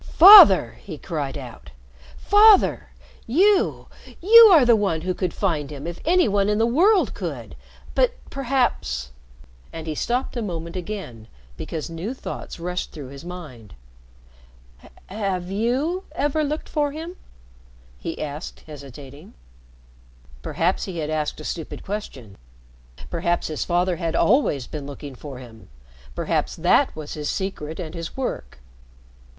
"Father!" he cried out. "Father! You you are the one who could find him if any one in the world could. But perhaps " and he stopped a moment again because new thoughts rushed through his mind. "Have you ever looked for him?" he asked hesitating. Perhaps he had asked a stupid question perhaps his father had always been looking for him, perhaps that was his secret and his work.